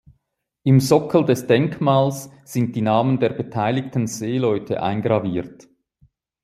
Im Sockel des Denkmals sind die Namen der beteiligten Seeleute eingraviert.